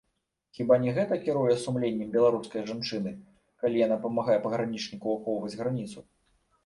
Хіба не гэта кіруе сумленнем беларускай жанчыны, калі яна памагае пагранічніку ахоўваць граніцу?